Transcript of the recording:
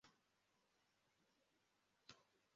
ukuboko kwe kw'iburyo mu nkono yamenetse kandi